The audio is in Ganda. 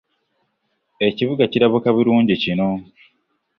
Ekibuga kirabika bulungi kino.